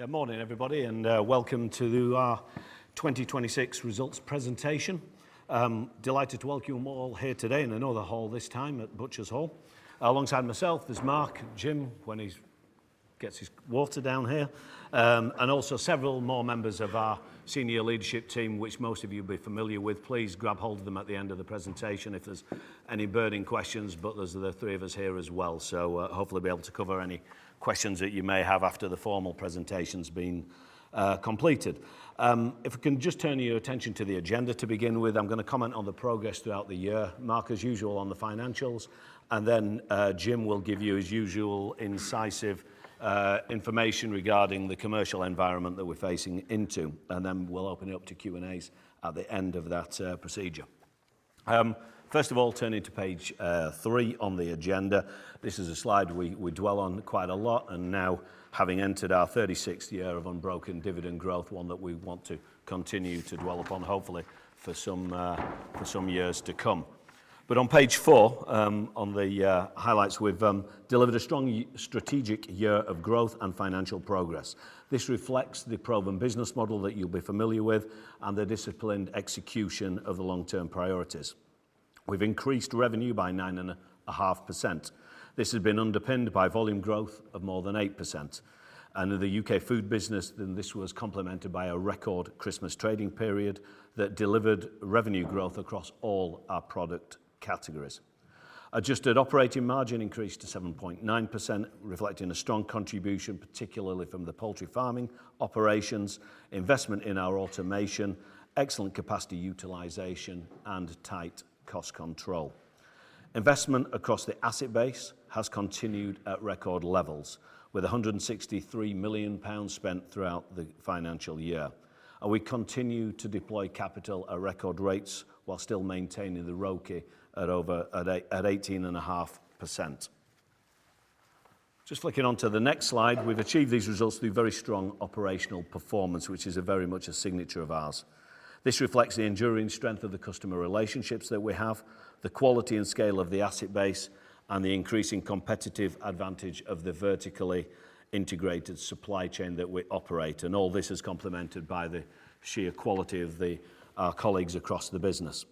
Yeah, morning everybody, welcome to our 2026 results presentation. I'm delighted to welcome you all here today in another hall this time, at Butcher's Hall. Alongside myself is Mark, Jim, when he gets his water down here, also several more members of our Senior Leadership team, which most of you will be familiar with. Please grab hold of them at the end of the presentation if there's any burning questions, there's the three of us here as well. Hopefully we'll be able to cover any questions that you may have after the formal presentation's been completed. If you can just turn your attention to the agenda to begin with, I'm gonna comment on the progress throughout the year, Mark, as usual, on the financials, and then Jim will give you his usual incisive information regarding the commercial environment that we're facing into, and then we'll open it up to Q&As at the end of that procedure. First of all, turning to page three on the agenda. This is a slide we dwell on quite a lot, and now having entered our 36th year of unbroken dividend growth, one that we want to continue to dwell upon, hopefully for some years to come. On page four, on the highlights, we've delivered a strong strategic year of growth and financial progress. This reflects the proven business model that you'll be familiar with, and the disciplined execution of the long-term priorities. We've increased revenue by 9.5%. This has been underpinned by volume growth of more than 8%. In the U.K. food business, this was complemented by a record Christmas trading period that delivered revenue growth across all our product categories. Adjusted operating margin increased to 7.9%, reflecting a strong contribution, particularly from the poultry farming operations, investment in our automation, excellent capacity utilization, and tight cost control. Investment across the asset base has continued at record levels, with 163 million pounds spent throughout the financial year. We continue to deploy capital at record rates while still maintaining the ROCE at 18.5%. Just flicking onto the next slide, we've achieved these results through very strong operational performance, which is very much a signature of ours. This reflects the enduring strength of the customer relationships that we have, the quality and scale of the asset base, and the increasing competitive advantage of the vertically integrated supply chain that we operate. All this is complemented by the sheer quality of our colleagues across the business.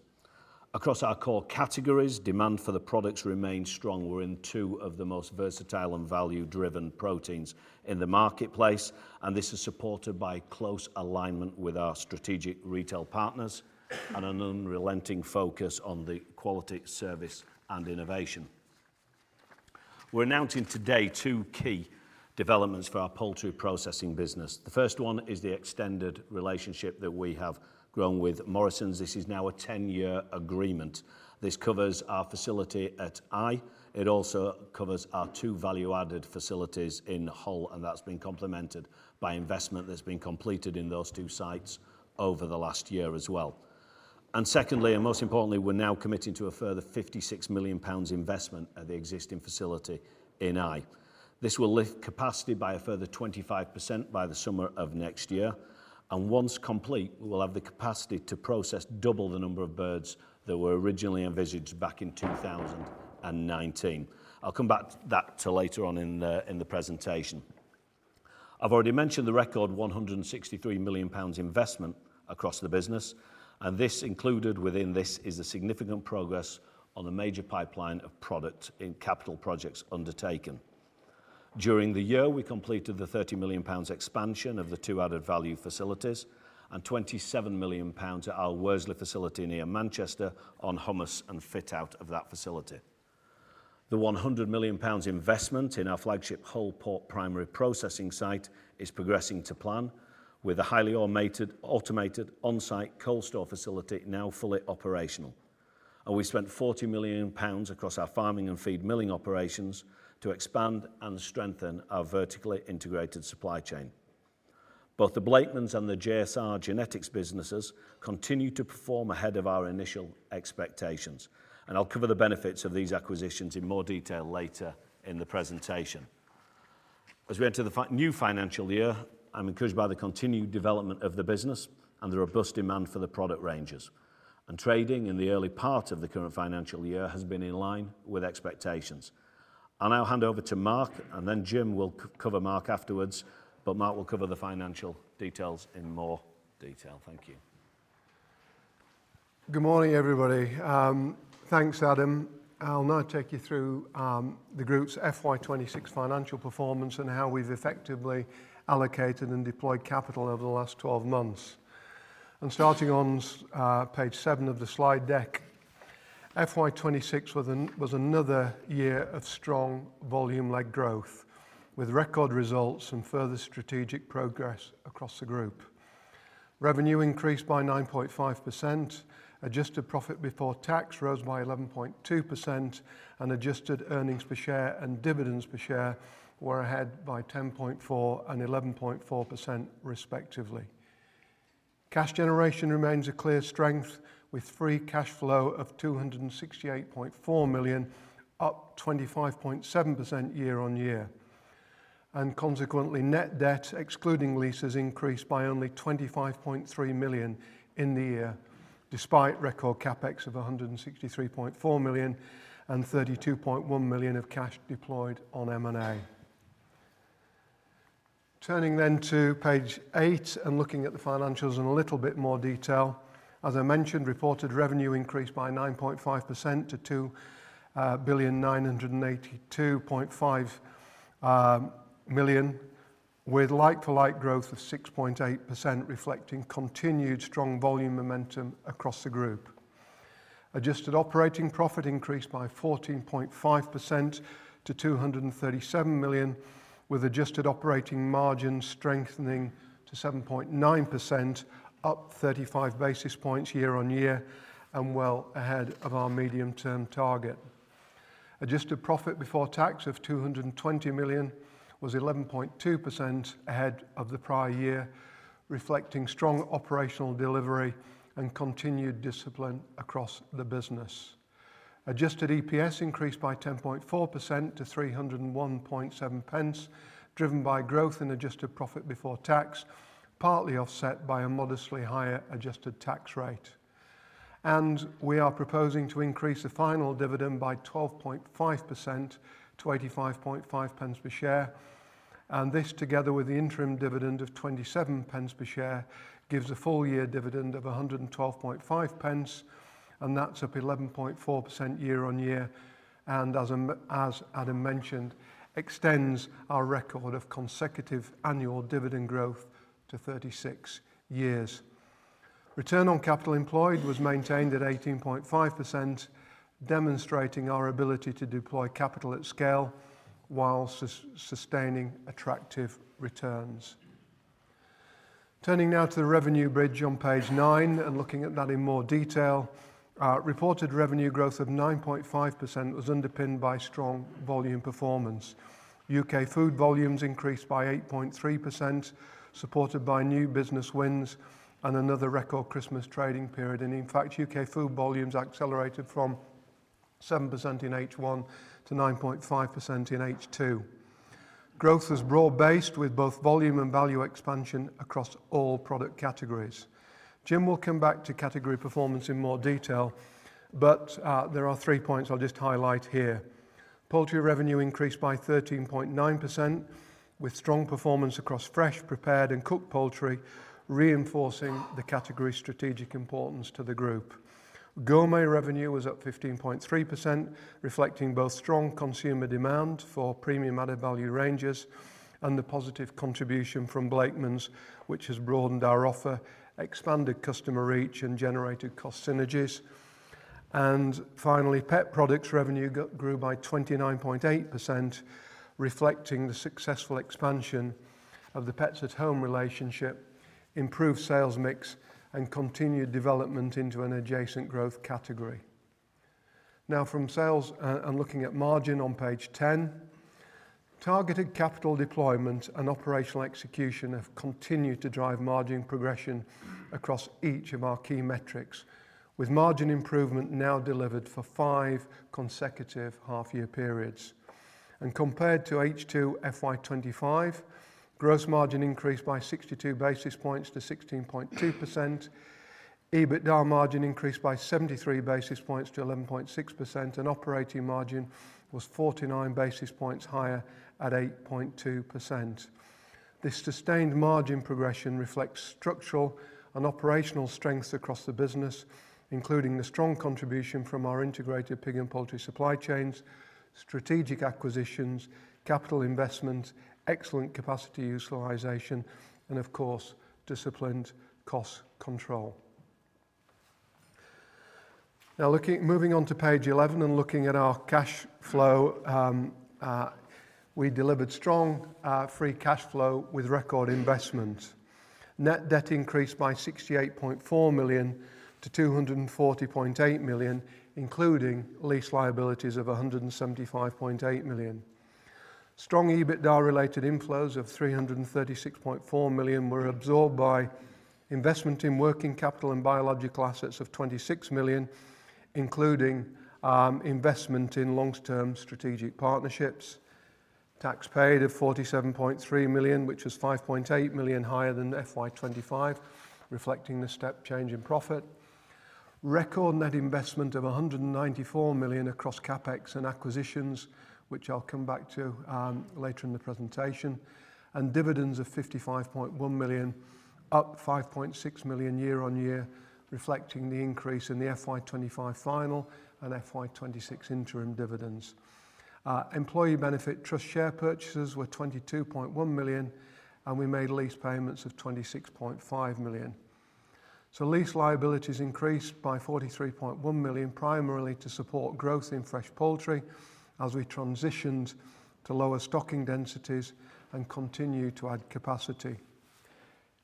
Across our core categories, demand for the products remain strong. We're in two of the most versatile and value-driven proteins in the marketplace. This is supported by close alignment with our strategic retail partners and an unrelenting focus on the quality, service, and innovation. We're announcing today two key developments for our poultry processing business. The first one is the extended relationship that we have grown with Morrisons. This is now a 10-year agreement. This covers our facility at Eye. It also covers our two value-added facilities in Hull, and that's been complemented by investment that's been completed in those two sites over the last year as well. Secondly, and most importantly, we're now committing to a further 56 million pounds investment at the existing facility in Eye. This will lift capacity by a further 25% by the summer of next year, and once complete, we will have the capacity to process double the number of birds that were originally envisaged back in 2019. I'll come back to that later on in the presentation. I've already mentioned the record 163 million pounds investment across the business. This included within this is a significant progress on a major pipeline of product in capital projects undertaken. During the year, we completed the 30 million pounds expansion of the two added value facilities and 27 million pounds at our Worsley facility near Manchester on hummus and fit-out of that facility. The 100 million pounds investment in our flagship Hull pork primary processing site is progressing to plan with a highly automated on-site cold store facility now fully operational, and we spent 40 million pounds across our farming and feed milling operations to expand and strengthen our vertically integrated supply chain. Both the Blakemans and the JSR Genetics businesses continue to perform ahead of our initial expectations, and I'll cover the benefits of these acquisitions in more detail later in the presentation. As we enter the new financial year, I'm encouraged by the continued development of the business and the robust demand for the product ranges. Trading in the early part of the current financial year has been in line with expectations. I'll now hand over to Mark. Jim will cover Mark afterwards. Mark will cover the financial details in more detail. Thank you. Good morning, everybody. Thanks, Adam. I'll now take you through the group's FY 2026 financial performance and how we've effectively allocated and deployed capital over the last 12 months. Starting on page seven of the slide deck, FY 2026 was another year of strong volume-led growth with record results and further strategic progress across the group. Revenue increased by 9.5%, adjusted profit before tax rose by 11.2%, and adjusted earnings per share and dividends per share were ahead by 10.4% and 11.4% respectively. Cash generation remains a clear strength with free cash flow of 268.4 million, up 25.7% year-on-year. Consequently, net debt, excluding leases, increased by only 25.3 million in the year, despite record CapEx of 163.4 million and 32.1 million of cash deployed on M&A. Turning to page eight and looking at the financials in a little bit more detail. As I mentioned, reported revenue increased by 9.5% to 2,982.5 million, with like-for-like growth of 6.8% reflecting continued strong volume momentum across the Group. Adjusted operating profit increased by 14.5% to 237 million, with adjusted operating margin strengthening to 7.9%, up 35 basis points year-on-year and well ahead of our medium-term target. Adjusted profit before tax of 220 million was 11.2% ahead of the prior year, reflecting strong operational delivery and continued discipline across the business. Adjusted EPS increased by 10.4% to 3.017, driven by growth in adjusted profit before tax, partly offset by a modestly higher adjusted tax rate. We are proposing to increase the final dividend by 12.5% to 0.855 per share. This, together with the interim dividend of 0.27 per share, gives a full year dividend of 1.125, and that's up 11.4% year-on-year and as Adam mentioned, extends our record of consecutive annual dividend growth to 36 years. Return on capital employed was maintained at 18.5%, demonstrating our ability to deploy capital at scale while sustaining attractive returns. Turning now to the revenue bridge on page nine and looking at that in more detail. Our reported revenue growth of 9.5% was underpinned by strong volume performance. UK food volumes increased by 8.3%, supported by new business wins and another record Christmas trading period. In fact, U.K. food volumes accelerated from 7% in H1 to 9.5% in H2. Growth was broad-based with both volume and value expansion across all product categories. Jim will come back to category performance in more detail, but there are three points I'll just highlight here. Poultry revenue increased by 13.9%, with strong performance across fresh, prepared, and cooked poultry, reinforcing the category's strategic importance to the group. Gourmet revenue was up 15.3%, reflecting both strong consumer demand for premium added value ranges and the positive contribution from Blakemans, which has broadened our offer, expanded customer reach, and generated cost synergies. Finally, Pet Products revenue grew by 29.8%, reflecting the successful expansion of the Pets at Home relationship, improved sales mix, and continued development into an adjacent growth category. From sales, looking at margin on page 10. Targeted capital deployment and operational execution have continued to drive margin progression across each of our key metrics, with margin improvement now delivered for five consecutive half-year periods. Compared to H2 FY 2025, gross margin increased by 62 basis points to 16.2%. EBITDA margin increased by 73 basis points to 11.6%. Operating margin was 49 basis points higher at 8.2%. This sustained margin progression reflects structural and operational strengths across the business, including the strong contribution from our integrated pig and poultry supply chains, strategic acquisitions, capital investment, excellent capacity utilization, and of course, disciplined cost control. Moving on to page 11 and looking at our cash flow, we delivered strong free cash flow with record investment. Net debt increased by 68.4 million to 240.8 million, including lease liabilities of 175.8 million. Strong EBITDA-related inflows of 336.4 million were absorbed by investment in working capital and biological assets of 26 million, including investment in long-term strategic partnerships. Tax paid of 47.3 million, which was 5.8 million higher than FY 2025, reflecting the step change in profit. Record net investment of 194 million across CapEx and acquisitions, which I'll come back to later in the presentation. Dividends of 55.1 million, up 5.6 million year-on-year, reflecting the increase in the FY 2025 final and FY 2026 interim dividends. Employee benefit trust share purchases were 22.1 million, and we made lease payments of 26.5 million. Lease liabilities increased by 43.1 million, primarily to support growth in fresh poultry as we transitioned to lower stocking densities and continue to add capacity.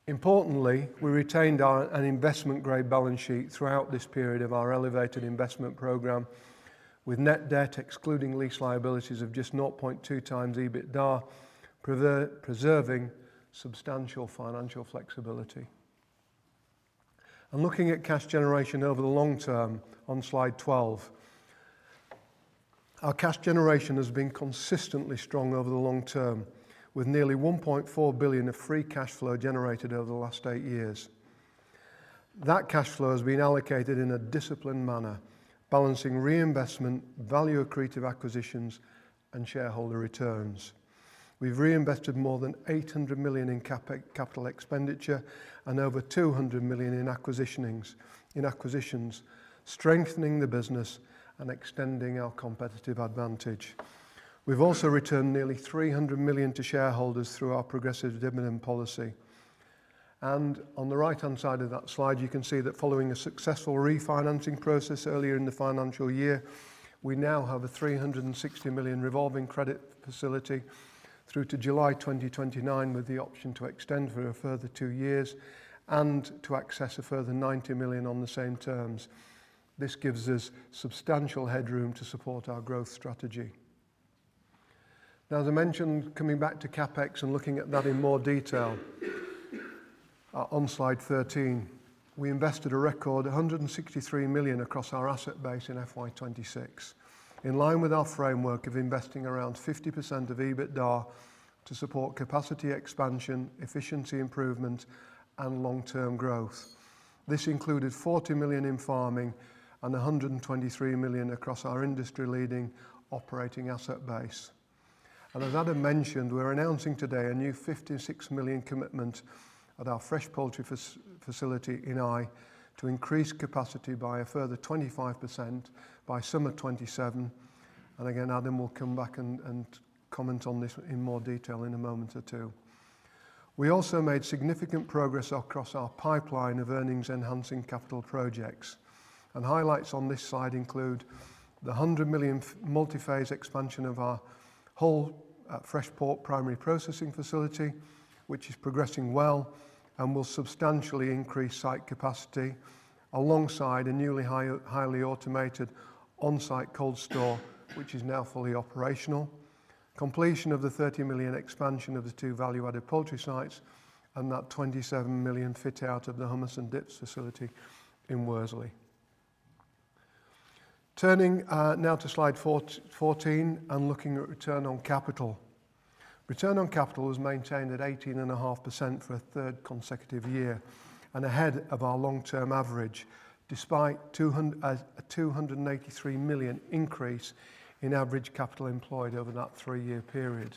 Importantly, we retained an investment-grade balance sheet throughout this period of our elevated investment program, with net debt excluding lease liabilities of just 0.2x EBITDA, preserving substantial financial flexibility. Looking at cash generation over the long term on slide 12. Our cash generation has been consistently strong over the long term, with nearly 1.4 billion of free cash flow generated over the last eight years. That cash flow has been allocated in a disciplined manner, balancing reinvestment, value-accretive acquisitions, and shareholder returns. We've reinvested more than 800 million in CapEx, capital expenditure and over 200 million in acquisitions, strengthening the business and extending our competitive advantage. We've also returned nearly 300 million to shareholders through our progressive dividend policy. On the right-hand side of that slide, you can see that following a successful refinancing process earlier in the financial year, we now have a 360 million revolving credit facility through to July 2029, with the option to extend for a further two years and to access a further 90 million on the same terms. This gives us substantial headroom to support our growth strategy. As I mentioned, coming back to CapEx and looking at that in more detail, on slide 13, we invested a record 163 million across our asset base in FY 2026. In line with our framework of investing around 50% of EBITDA to support capacity expansion, efficiency improvement, and long-term growth. This included 40 million in farming and 123 million across our industry-leading operating asset base. As Adam mentioned, we're announcing today a new 56 million commitment at our fresh poultry facility in Eye to increase capacity by a further 25% by summer 2027. Again, Adam will come back and comment on this in more detail in a moment or two. We also made significant progress across our pipeline of earnings enhancing capital projects. Highlights on this slide include the 100 million multi-phase expansion of our Hull fresh pork primary processing facility, which is progressing well and will substantially increase site capacity alongside a newly highly automated on-site cold store, which is now fully operational. Completion of the 30 million expansion of the two value-added poultry sites, and that 27 million fit out of the hummus and dips facility in Worsley. Turning now to slide 14 and looking at return on capital. Return on capital was maintained at 18.5% for a third consecutive year and ahead of our long-term average, despite a 283 million increase in average capital employed over that three-year period.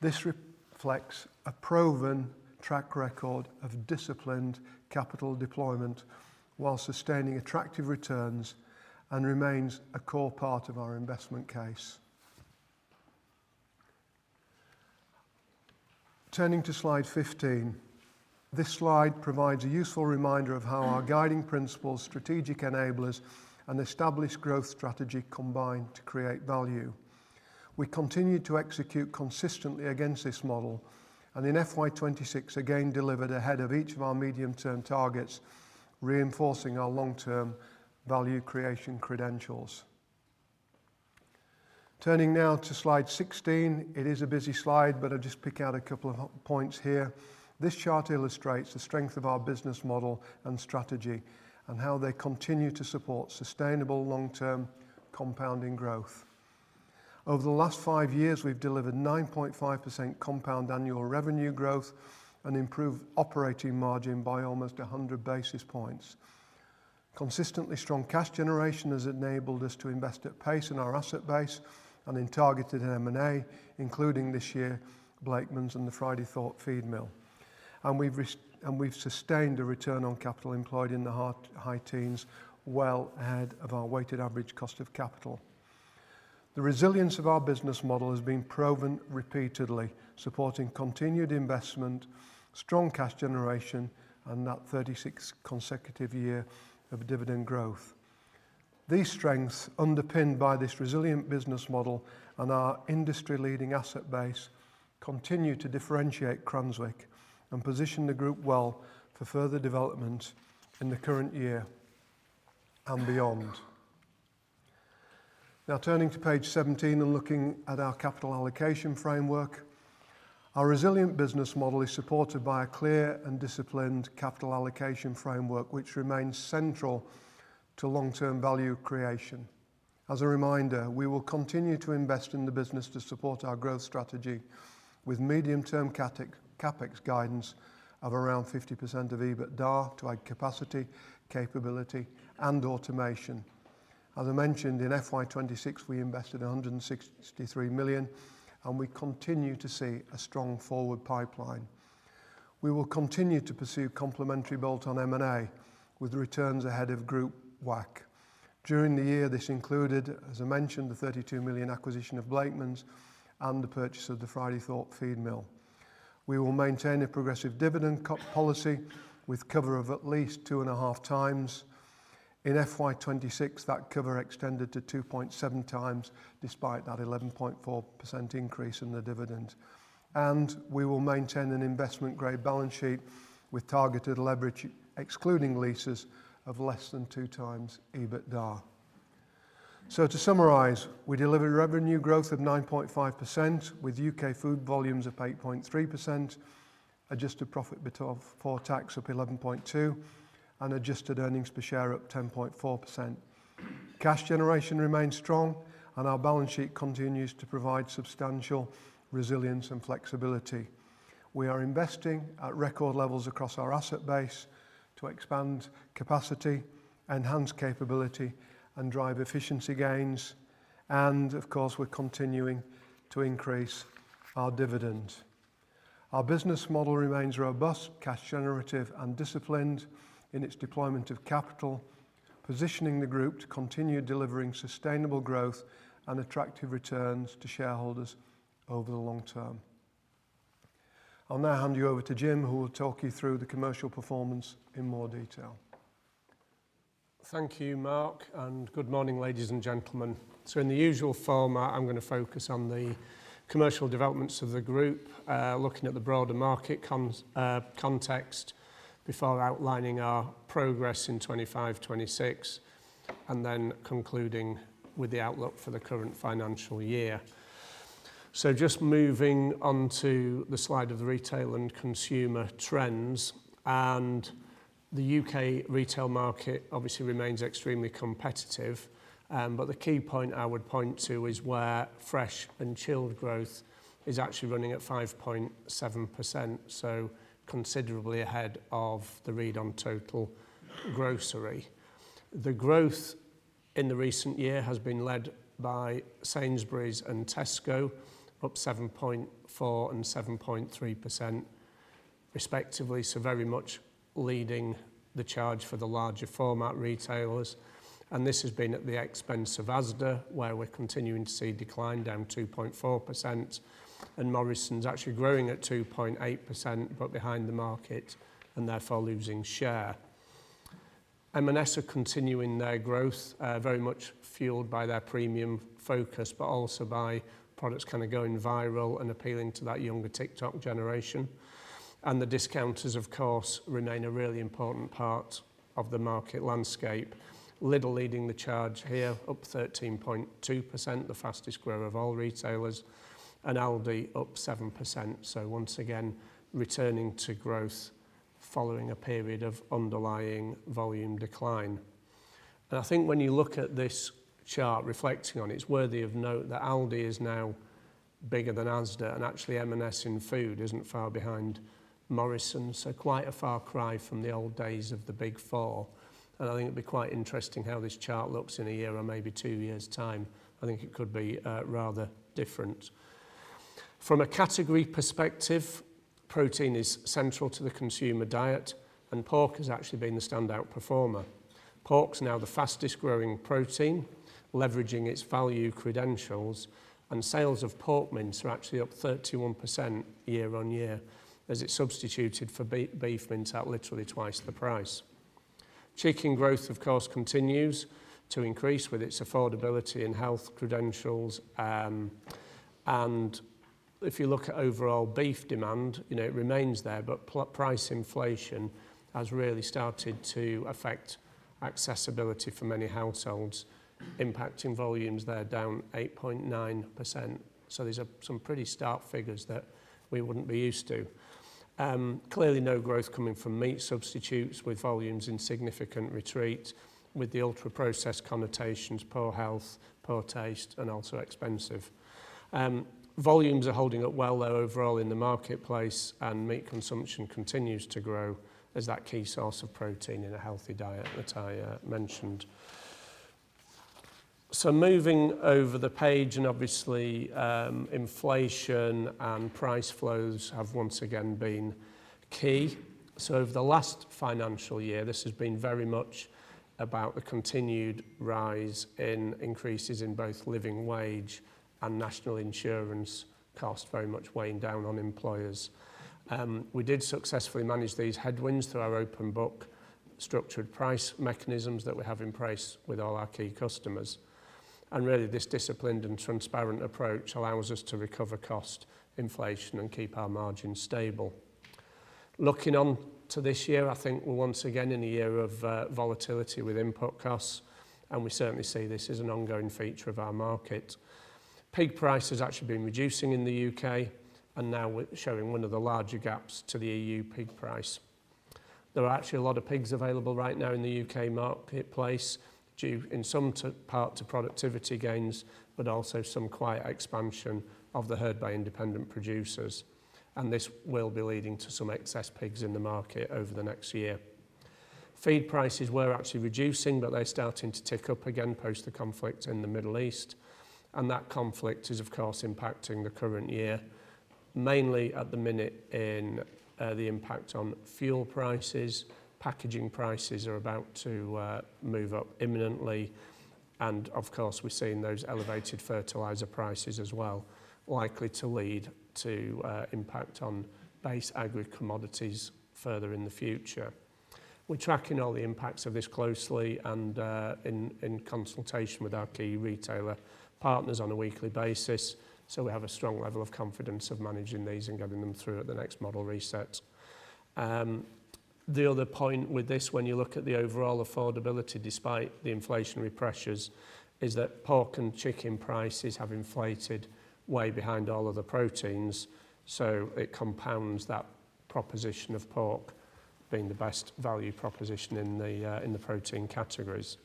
This reflects a proven track record of disciplined capital deployment while sustaining attractive returns and remains a core part of our investment case. Turning to slide 15. This slide provides a useful reminder of how our guiding principles, strategic enablers, and established growth strategy combine to create value. We continue to execute consistently against this model, and in FY 2026 again delivered ahead of each of our medium-term targets, reinforcing our long-term value creation credentials. Turning now to slide 16. It is a busy slide, but I'll just pick out a couple of points here. This chart illustrates the strength of our business model and strategy, and how they continue to support sustainable long-term compounding growth. Over the last five years, we've delivered 9.5% compound annual revenue growth and improved operating margin by almost 100 basis points. Consistently strong cash generation has enabled us to invest at pace in our asset base and in targeted M&A, including this year, Blakemans and the Fridaythorpe feed mill. We've sustained a return on capital employed in the high teens well ahead of our weighted average cost of capital. The resilience of our business model has been proven repeatedly, supporting continued investment, strong cash generation, and that 36-consecutive year of dividend growth. These strengths, underpinned by this resilient business model and our industry-leading asset base, continue to differentiate Cranswick and position the group well for further development in the current year and beyond. Turning to page 17 and looking at our capital allocation framework. Our resilient business model is supported by a clear and disciplined capital allocation framework, which remains central to long-term value creation. As a reminder we will continue to invest in the business to support our growth strategy with medium-term CapEx guidance of around 50% of EBITDA to add capacity, capability, and automation. In FY 2026, we invested 163 million, and we continue to see a strong forward pipeline. We will continue to pursue complementary bolt-on M&A with returns ahead of group WACC. During the year, this included, as I mentioned, the 32 million acquisition of Blakemans and the purchase of the Fridaythorpe feed mill. We will maintain a progressive dividend policy with cover of at least 2.5x. In FY 2026, that cover extended to 2.7x despite that 11.4% increase in the dividend. We will maintain an investment-grade balance sheet with targeted leverage, excluding leases, of less than 2x EBITDA. To summarize, we delivered revenue growth of 9.5% with U.K. food volumes of 8.3%, adjusted profit before tax up 11.2%, and adjusted earnings per share up 10.4%. Cash generation remains strong, and our balance sheet continues to provide substantial resilience and flexibility. We are investing at record levels across our asset base to expand capacity, enhance capability and drive efficiency gains, and of course, we're continuing to increase our dividend. Our business model remains robust, cash generative and disciplined in its deployment of capital, positioning the group to continue delivering sustainable growth and attractive returns to shareholders over the long term. I'll now hand you over to Jim, who will talk you through the commercial performance in more detail. Thank you, Mark, good morning, ladies and gentlemen. In the usual format, I'm gonna focus on the commercial developments of the group, looking at the broader market context before outlining our progress in 2025-2026, and then concluding with the outlook for the current financial year. Just moving on to the slide of the retail and consumer trends. The U.K. retail market obviously remains extremely competitive. The key point I would point to is where fresh and chilled growth is actually running at 5.7%, so considerably ahead of the read on total grocery. The growth in the recent year has been led by Sainsbury's and Tesco, up 7.4% and 7.3% respectively. Very much leading the charge for the larger format retailers. This has been at the expense of Asda, where we're continuing to see decline down 2.4%. Morrisons actually growing at 2.8%, but behind the market and therefore losing share. M&S are continuing their growth, very much fueled by their premium focus, but also by products kind of going viral and appealing to that younger TikTok generation. The discounters, of course, remain a really important part of the market landscape. Lidl leading the charge here, up 13.2%, the fastest grower of all retailers, and Aldi up 7%. Once again, returning to growth following a period of underlying volume decline. I think when you look at this chart reflecting on, it's worthy of note that Aldi is now bigger than Asda, and actually M&S in food isn't far behind Morrisons. Quite a far cry from the old days of the Big Four. I think it'd be quite interesting how this chart looks in a year or maybe two years' time. I think it could be rather different. From a category perspective, protein is central to the consumer diet, pork has actually been the standout performer. Pork's now the fastest growing protein, leveraging its value credentials, sales of pork mince are actually up 31% year-on-year as it's substituted for beef mince at literally twice the price. Chicken growth, of course, continues to increase with its affordability and health credentials. If you look at overall beef demand, you know, it remains there, but price inflation has really started to affect accessibility for many households, impacting volumes there down 8.9%. These are some pretty stark figures that we wouldn't be used to. Clearly no growth coming from meat substitutes with volumes in significant retreat with the ultra-processed connotations, poor health, poor taste, and also expensive. Volumes are holding up well, though, overall in the marketplace, and meat consumption continues to grow as that key source of protein in a healthy diet that I mentioned. Moving over the page, and obviously, inflation and price flows have once again been key. Over the last financial year, this has been very much about the continued rise in increases in both living wage and national insurance cost very much weighing down on employers. We did successfully manage these headwinds through our open book structured price mechanisms that we have in place with all our key customers. Really, this disciplined and transparent approach allows us to recover cost inflation and keep our margins stable. Looking on to this year, I think we're once again in a year of volatility with input costs. We certainly see this as an ongoing feature of our market. Pig price has actually been reducing in the U.K. Now showing one of the larger gaps to the EU pig price. There are actually a lot of pigs available right now in the U.K. marketplace due in some part to productivity gains, but also some quiet expansion of the herd by independent producers. This will be leading to some excess pigs in the market over the next year. Feed prices were actually reducing. They're starting to tick up again post the conflict in the Middle East. That conflict is, of course, impacting the current year, mainly at the minute in the impact on fuel prices. Packaging prices are about to move up imminently. Of course, we're seeing those elevated fertilizer prices as well, likely to lead to impact on base agri commodities further in the future. We're tracking all the impacts of this closely and in consultation with our key retailer partners on a weekly basis, so we have a strong level of confidence of managing these and getting them through at the next model reset. The other point with this, when you look at the overall affordability despite the inflationary pressures, is that pork and chicken prices have inflated way behind all other proteins, so it compounds that proposition of pork being the best value proposition in the protein categories.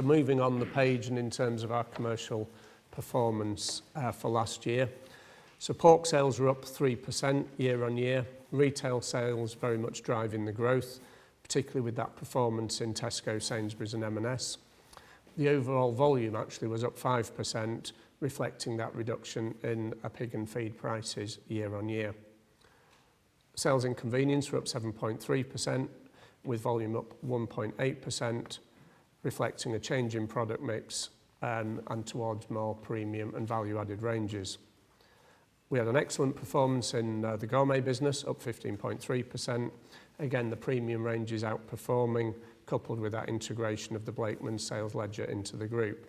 Moving on the page and in terms of our commercial performance for last year. Pork sales were up 3% year-on-year. Retail sales very much driving the growth, particularly with that performance in Tesco, Sainsbury's and M&S. The overall volume actually was up 5%, reflecting that reduction in pig and feed prices year-on-year. Sales in convenience were up 7.3%, with volume up 1.8%, reflecting a change in product mix and towards more premium and value-added ranges. We had an excellent performance in the gourmet business, up 15.3%. Again, the premium ranges outperforming, coupled with that integration of the Blakemans sales ledger into the group.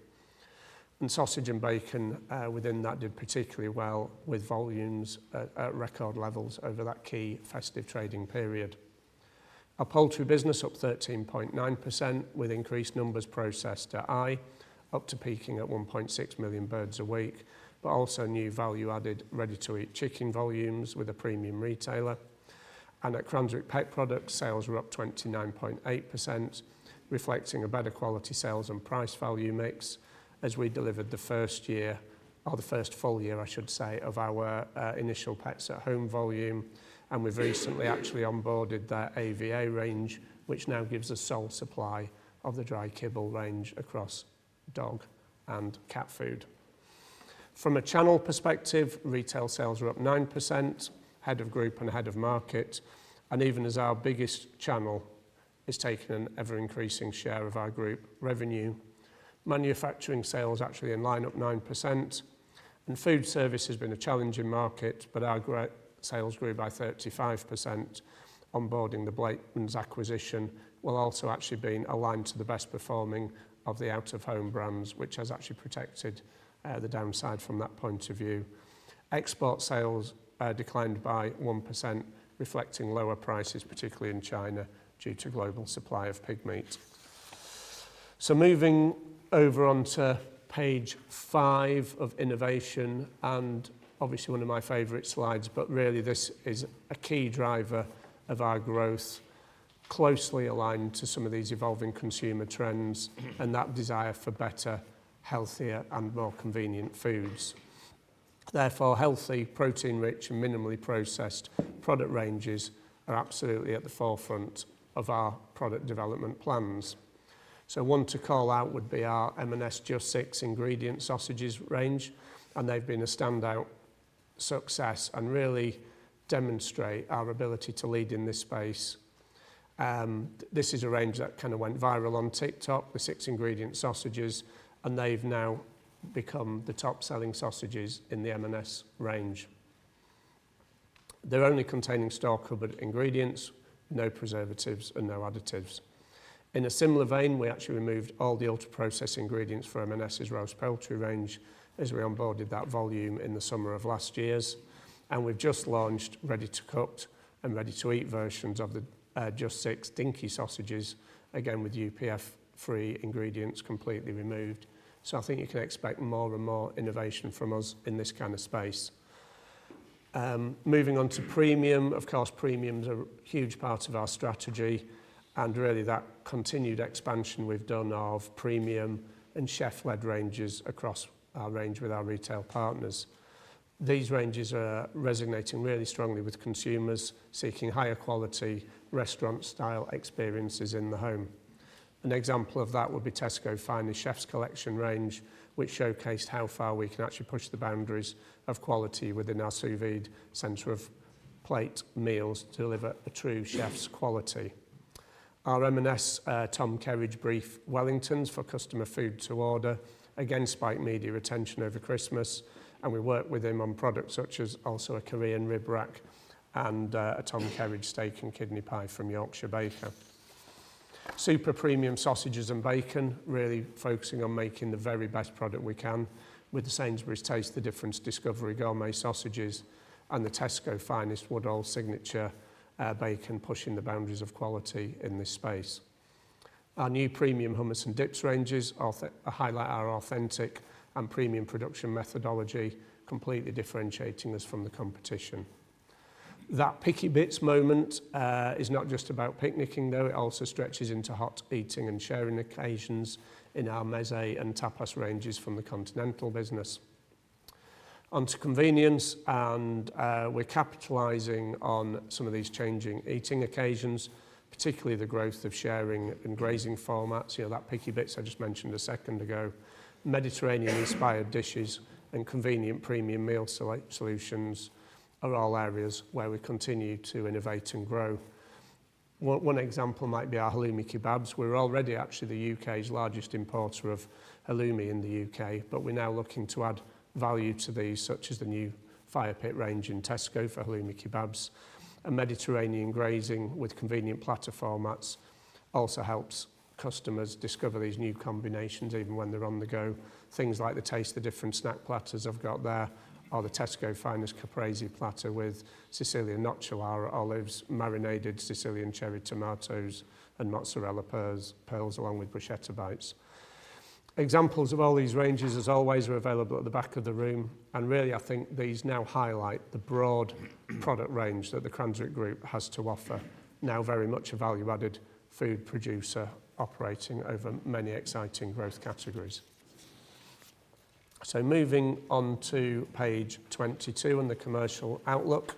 Sausage and bacon, within that did particularly well, with volumes at record levels over that key festive trading period. Our poultry business up 13.9% with increased numbers processed at Eye, up to peaking at 1.6 million birds a week, but also new value-added ready-to-eat chicken volumes with a premium retailer. At Cranswick Pet Products, sales were up 29.8%, reflecting a better quality sales and price value mix as we delivered the first year, or the first full year I should say, of our initial Pets at Home volume, and we've recently actually onboarded their AVA range which now gives us sole supply of the dry kibble range across dog and cat food. From a channel perspective, retail sales were up 9%, ahead of group and ahead of market. Even as our biggest channel, it's taken an ever-increasing share of our group revenue. Manufacturing sales actually in line, up 9%. Food service has been a challenging market, but our sales grew by 35% onboarding the Blakemans acquisition, while also actually being aligned to the best performing of the out-of-home brands which has actually protected the downside from that point of view. Export sales declined by 1%, reflecting lower prices, particularly in China, due to global supply of pig meat. Moving over onto page five of innovation. Obviously one of my favorite slides, but really this is a key driver of our growth, closely aligned to some of these evolving consumer trends and that desire for better, healthier and more convenient foods. Therefore, healthy, protein-rich and minimally processed product ranges are absolutely at the forefront of our product development plans. One to call out would be our M&S Just 6 Ingredients sausages range. They've been a standout success and really demonstrate our ability to lead in this space. This is a range that kind of went viral on TikTok, the six ingredients sausages. They've now become the top-selling sausages in the M&S range. They're only containing store-cupboard ingredients, no preservatives and no additives. In a similar vein, we actually removed all the ultra-processed ingredients from M&S' roast poultry range as we onboarded that volume in the summer of last year. We've just launched ready-to-cook and ready-to-eat versions of the Just 6 Dinky Sausages, again with UPF-free ingredients completely removed. I think you can expect more and more innovation from us in this kind of space. Moving on to premium, of course premium's a huge part of our strategy and really that continued expansion we've done of premium and chef-led ranges across our range with our retail partners. These ranges are resonating really strongly with consumers seeking higher quality restaurant-style experiences in the home. An example of that would be Tesco Finest Chef's Collection range which showcased how far we can actually push the boundaries of quality within our sous vide center of plate meals to deliver a true chef's quality. Our M&S Tom Kerridge beef Wellingtons for customer food to order again spiked media attention over Christmas, and we worked with him on products such as also a Korean rib rack and a Tom Kerridge Steak and Kidney Pie from Yorkshire Baker. Super premium sausages and bacon really focusing on making the very best product we can with the Sainsbury's Taste the Difference Discovery Collection sausages and the Tesco Finest Woodall's Signature bacon pushing the boundaries of quality in this space. Our new premium hummus and dips ranges highlight our authentic and premium production methodology, completely differentiating us from the competition. That Picky bits moment is not just about picnicking though, it also stretches into hot eating and sharing occasions in our meze and tapas ranges from the continental business. Onto convenience, we're capitalizing on some of these changing eating occasions, particularly the growth of sharing and grazing formats. You know, that Picky bits I just mentioned a second ago. Mediterranean-inspired dishes and convenient premium meal solutions are all areas where we continue to innovate and grow. One example might be our halloumi kebabs. We're already actually the U.K.'s largest importer of halloumi in the U.K., but we're now looking to add value to these, such as the new Fire Pit range in Tesco for halloumi kebabs. Mediterranean grazing with convenient platter formats also helps customers discover these new combinations even when they're on the go. Things like the Taste the Difference snack platters I've got there or the Tesco Finest caprese platter with Sicilian Nocellara olives, marinated Sicilian cherry tomatoes and mozzarella pearls, along with bruschetta bites. Examples of all these ranges, as always, are available at the back of the room. Really, I think these now highlight the broad product range that the Cranswick Group has to offer. Now very much a value-added food producer operating over many exciting growth categories. Moving on to page 22 and the commercial outlook.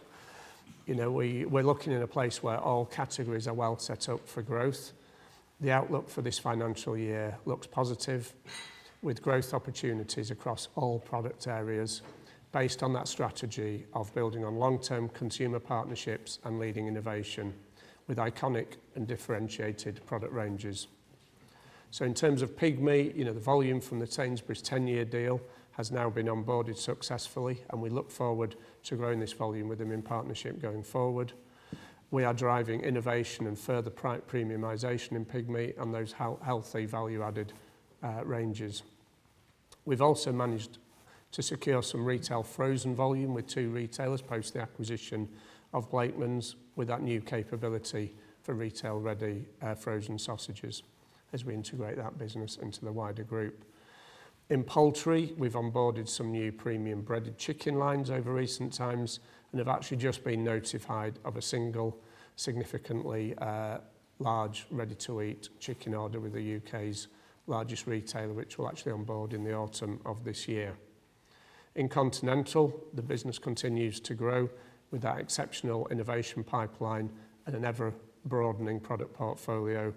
You know, we're looking at a place where all categories are well set up for growth. The outlook for this financial year looks positive, with growth opportunities across all product areas based on that strategy of building on long-term consumer partnerships and leading innovation with iconic and differentiated product ranges. In terms of pig meat, you know, the volume from the Sainsbury's 10-year deal has now been onboarded successfully, and we look forward to growing this volume with them in partnership going forward. We are driving innovation and further premiumization in pig meat and those healthy value-added ranges. We've also managed to secure some retail frozen volume with two retailers post the acquisition of Blakemans with that new capability for retail-ready frozen sausages as we integrate that business into the wider group. In poultry, we've onboarded some new premium breaded chicken lines over recent times and have actually just been notified of a single significantly large ready-to-eat chicken order with the U.K.'s largest retailer, which we'll actually onboard in the autumn of this year. In Continental, the business continues to grow with that exceptional innovation pipeline and an ever-broadening product portfolio,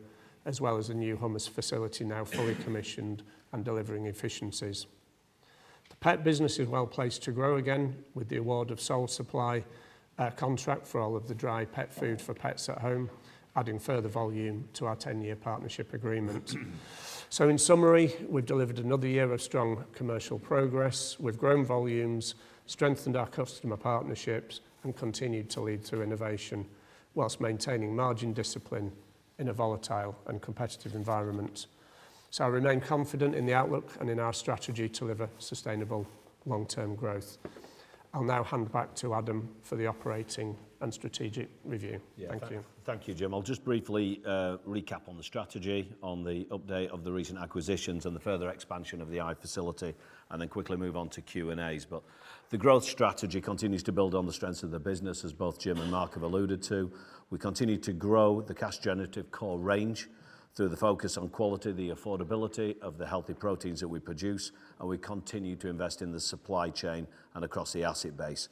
as well as a new hummus facility now fully commissioned and delivering efficiencies. The pet business is well-placed to grow again with the award of sole supply contract for all of the dry pet food for Pets at Home, adding further volume to our 10-year partnership agreement. In summary, we've delivered another year of strong commercial progress. We've grown volumes, strengthened our customer partnerships, and continued to lead through innovation while maintaining margin discipline in a volatile and competitive environment. I remain confident in the outlook and in our strategy to deliver sustainable long-term growth. I'll now hand back to Adam for the operating and strategic review. Yeah. Thank you. Thank you. Thank you, Jim. I'll just briefly recap on the strategy, on the update of the recent acquisitions and the further expansion of the Eye facility, and then quickly move on to Q&As. The growth strategy continues to build on the strengths of the business, as both Jim and Mark have alluded to. We continue to grow the cash-generative core range through the focus on quality, the affordability of the healthy proteins that we produce, and we continue to invest in the supply chain and across the asset base.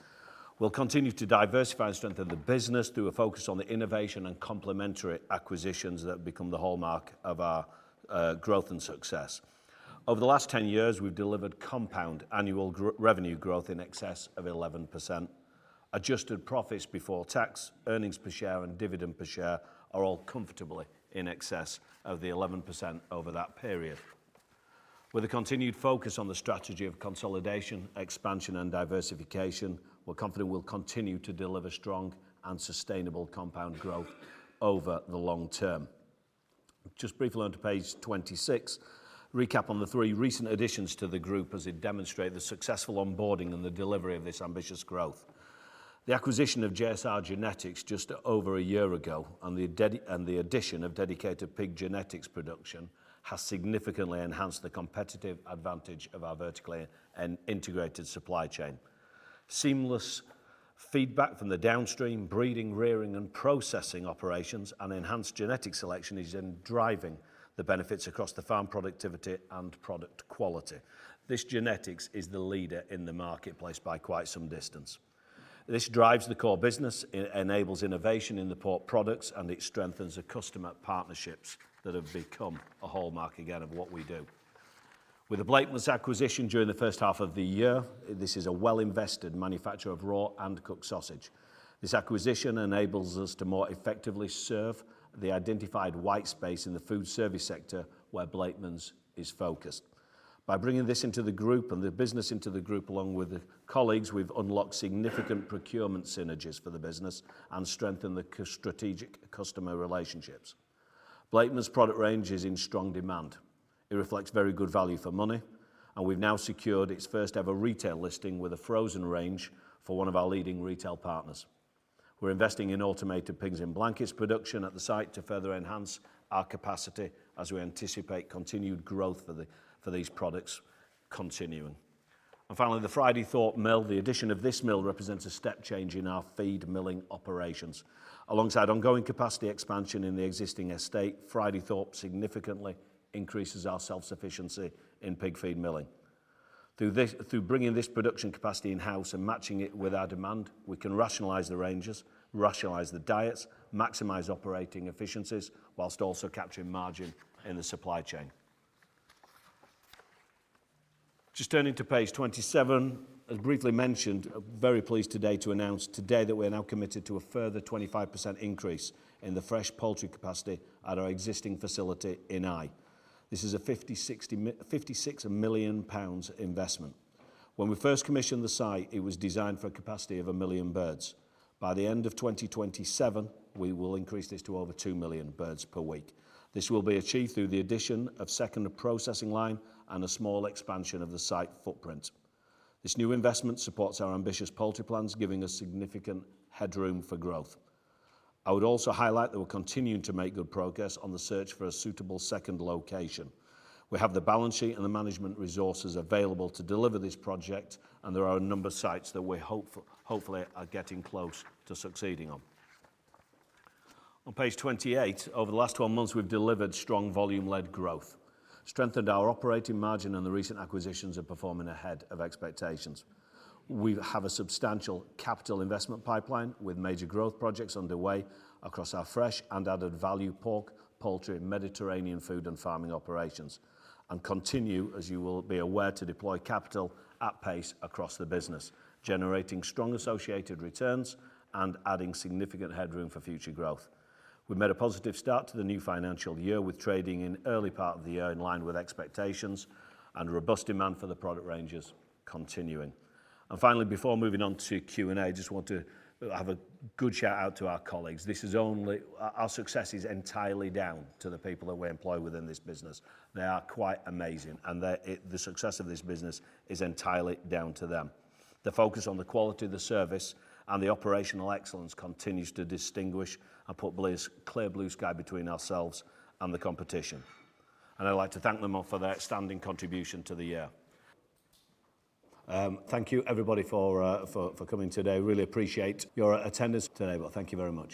We'll continue to diversify and strengthen the business through a focus on the innovation and complementary acquisitions that have become the hallmark of our growth and success. Over the last 10 years, we've delivered compound annual revenue growth in excess of 11%. Adjusted profits before tax, earnings per share, and dividend per share are all comfortably in excess of the 11% over that period. With a continued focus on the strategy of consolidation, expansion, and diversification, we're confident we'll continue to deliver strong and sustainable compound growth over the long term. Just briefly onto page 26, recap on the three recent additions to the Group as it demonstrate the successful onboarding and the delivery of this ambitious growth. The acquisition of JSR Genetics just over a year ago and the addition of dedicated pig genetics production has significantly enhanced the competitive advantage of our vertically and integrated supply chain. Seamless feedback from the downstream breeding, rearing, and processing operations and enhanced genetic selection is then driving the benefits across the farm productivity and product quality. This genetics is the leader in the marketplace by quite some distance. This drives the core business, enables innovation in the pork products, and it strengthens the customer partnerships that have become a hallmark again of what we do. With the Blakemans acquisition during the first half of the year, this is a well-invested manufacturer of raw and cooked sausage. This acquisition enables us to more effectively serve the identified white space in the food service sector where Blakemans is focused. By bringing this into the group and the business into the group along with the colleagues, we've unlocked significant procurement synergies for the business and strengthened the strategic customer relationships. Blakemans product range is in strong demand. It reflects very good value for money, and we've now secured its first-ever retail listing with a frozen range for one of our leading retail partners. We're investing in automated pigs in blankets production at the site to further enhance our capacity as we anticipate continued growth for these products continuing. Finally, the Fridaythorpe mill. The addition of this mill represents a step change in our feed milling operations. Alongside ongoing capacity expansion in the existing estate, Fridaythorpe significantly increases our self-sufficiency in pig feed milling. Through bringing this production capacity in-house and matching it with our demand, we can rationalize the ranges, rationalize the diets, maximize operating efficiencies, while also capturing margin in the supply chain. Just turning to page 27, as briefly mentioned, very pleased today to announce today that we're now committed to a further 25% increase in the fresh poultry capacity at our existing facility in Eye. This is a 56 million pounds investment. When we first commissioned the site, it was designed for a capacity of a million birds. By the end of 2027, we will increase this to over 2 million birds per week. This will be achieved through the addition of second processing line and a small expansion of the site footprint. This new investment supports our ambitious poultry plans, giving us significant headroom for growth. I would also highlight that we're continuing to make good progress on the search for a suitable second location. We have the balance sheet and the management resources available to deliver this project, and there are a number of sites that we hopefully are getting close to succeeding on. On page 28, over the last 12 months, we've delivered strong volume-led growth, strengthened our operating margin, and the recent acquisitions are performing ahead of expectations. We have a substantial capital investment pipeline, with major growth projects underway across our fresh and added value pork, poultry, Mediterranean food, and farming operations. Continue, as you will be aware, to deploy capital at pace across the business, generating strong associated returns and adding significant headroom for future growth. We've made a positive start to the new financial year with trading in early part of the year in line with expectations and robust demand for the product ranges continuing. Finally, before moving on to Q&A, just want to have a good shout-out to our colleagues. Our success is entirely down to the people that we employ within this business. They are quite amazing, and the success of this business is entirely down to them. The focus on the quality of the service and the operational excellence continues to distinguish and put a clear blue sky between ourselves and the competition. I'd like to thank them all for their outstanding contribution to the year. Thank you, everybody, for coming today. Really appreciate your attendance today. Thank you very much.